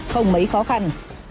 không mấy khó khăn